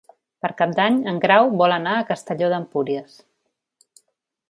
Per Cap d'Any en Grau vol anar a Castelló d'Empúries.